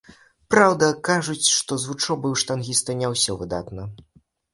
Праўда, кажуць, што з вучобай у штангіста не ўсё выдатна.